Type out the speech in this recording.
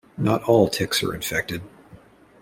Not all ticks are infected.